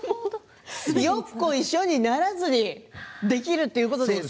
よっこいしょにならずにできるということですね。